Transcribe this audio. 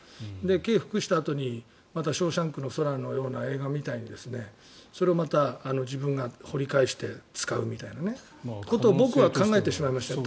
刑に服したあとにまた「ショーシャンクの空に」みたいな映画のようにそれをまた自分が掘り返して使うみたいなことを僕は考えてしまいましたよ。